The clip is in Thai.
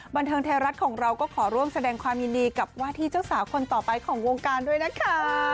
บันเทิงไทยรัฐของเราก็ขอร่วมแสดงความยินดีกับว่าที่เจ้าสาวคนต่อไปของวงการด้วยนะคะ